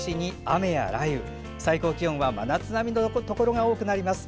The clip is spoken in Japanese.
最高気温は真夏並みのところが多くなります。